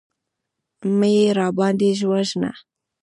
مه يې راباندې وژنه.